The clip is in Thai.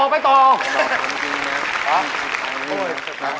ไปเร็วไปต่อไปต่อ